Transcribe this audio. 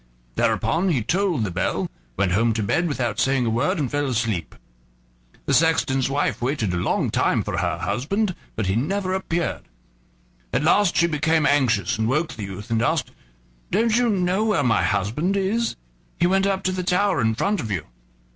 Thereupon he tolled the bell, went home to bed without saying a word, and fell asleep. The sexton's wife waited a long time for her husband, but he never appeared. At last she became anxious, and woke the youth, and asked: "Don't you know where my husband is? He went up to the tower in front of you."